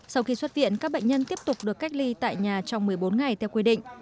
sau khi xuất viện các bệnh nhân tiếp tục được cách ly tại nhà trong một mươi bốn ngày theo quy định